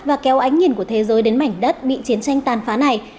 và kéo ánh nhìn của thế giới đến mảnh đất bị chiến tranh tàn phá này